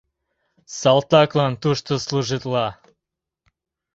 Салтаклан тушто служитла.